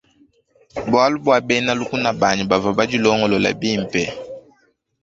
Bualu bua bena lukuna banyi bavua badilongolole bimpe.